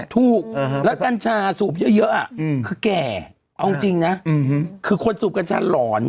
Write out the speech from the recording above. ถูกแล้วกัญชาสูบเยอะคือแก่เอาจริงนะคือคนสูบกัญชาหลอน